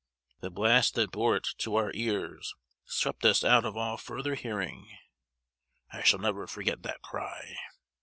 The blast that bore it to our ears, swept us out of all further hearing. I shall never forget that cry!